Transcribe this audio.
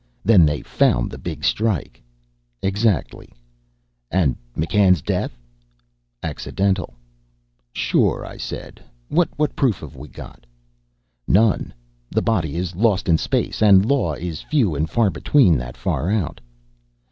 "Then they found the big strike." "Exactly." "And McCann's death?" "Accidental." "Sure," I said. "What proof have we got?" "None. The body is lost in space. And law is few and far between that far out."